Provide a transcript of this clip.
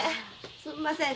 すんません